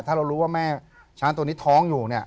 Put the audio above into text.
ถ้าเรารู้ว่าแม่ช้างตัวนี้ท้องอยู่เนี่ย